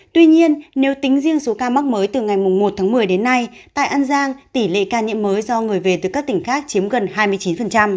tuy nhiên nếu tính riêng số ca mắc mới từ ngày một tháng một mươi đến nay tại an giang tỷ lệ ca nhiễm mới do người về từ các tỉnh khác chiếm gần hai mươi chín